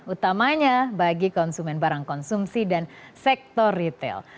utamanya bagi konsumen barang konsumsi dan sektor retail